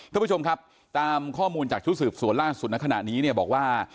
ท่านผู้ชมครับตามข้อมูลจากชุดสืบสวนล่าสุดในขณะนี้เนี่ยบอกว่า